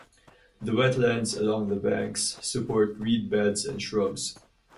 The wetlands along the banks support reed beds and shrubs.